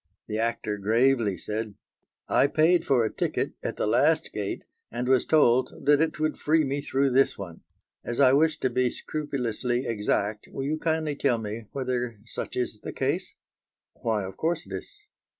The actor gravely said: "I paid for a ticket at the last gate, and was told that it would free me through this one. As I wish to be scrupulously exact, will you kindly tell me whether such is the case?" "Why of course it is?"